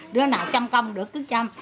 đứa nào chăm công được cứ chăm